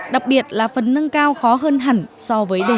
đặc biệt là phần nâng cao của các thí sinh